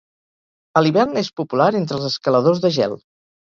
A l'hivern és popular entre els escaladors de gel.